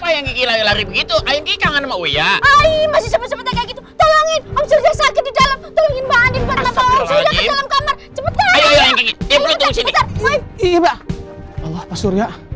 ya allah maksudnya